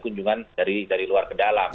kunjungan dari luar ke dalam